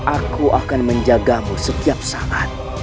aku akan menjagamu setiap saat